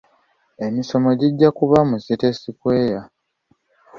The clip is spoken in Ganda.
Emisomo gijja kuba mu city square.